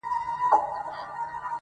د هغه په فیصله دي کار سمېږي!.